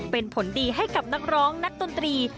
เป็นผลดีให้กับนักร้องนักดนตรี